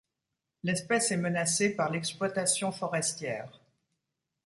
L'espèce est menacée par l'exploitation forestière.